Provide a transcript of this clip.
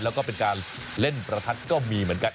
แล้วก็เป็นการเล่นประทัดก็มีเหมือนกัน